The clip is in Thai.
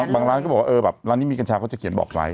ร้านก็บอกว่าเออแบบร้านนี้มีกัญชาเขาจะเขียนบอกไว้